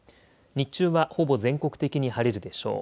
日中はほぼ全国的に晴れるでしょう。